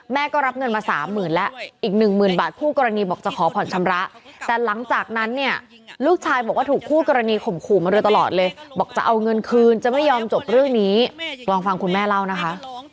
ก็รับเงินมาสามหมื่นแล้วอีกหนึ่งหมื่นบาทคู่กรณีบอกจะขอผ่อนชำระแต่หลังจากนั้นเนี่ยลูกชายบอกว่าถูกคู่กรณีข่มขู่มาโดยตลอดเลยบอกจะเอาเงินคืนจะไม่ยอมจบเรื่องนี้ลองฟังคุณแม่เล่านะคะ